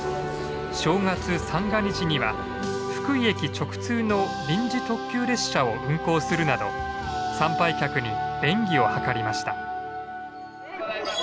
正月三が日には福井駅直通の臨時特急列車を運行するなど参拝客に便宜を図りました。